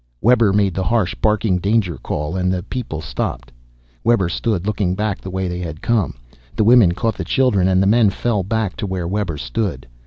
Webber made the harsh barking danger call, and the people stopped. Webber stood looking back the way they had come. The women caught the children and the men fell back to where Webber stood.